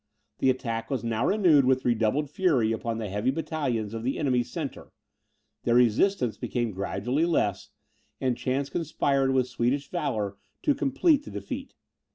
The attack was now renewed with redoubled fury upon the heavy battalions of the enemy's centre; their resistance became gradually less, and chance conspired with Swedish valour to complete the defeat.